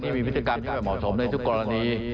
มีพฤติกรรมที่ไม่เหมาะสมในทุกกรณี